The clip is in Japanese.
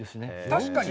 確かに。